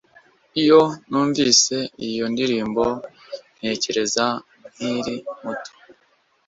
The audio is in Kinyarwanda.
Iyo numvise iyo ndirimbo ntekereza nkiri muto